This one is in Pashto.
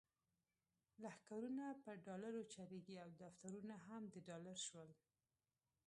لښکرونه په ډالرو چلیږي او دفترونه هم د ډالر شول.